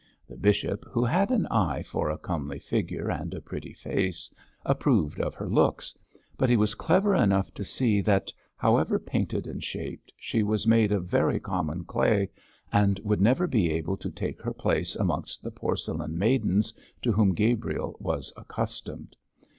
The bishop, who had an eye for a comely figure and a pretty face, approved of her looks; but he was clever enough to see that, however painted and shaped, she was made of very common clay, and would never be able to take her place amongst the porcelain maidens to whom Gabriel was accustomed.